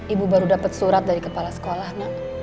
ibu baru dapat surat dari kepala sekolah nak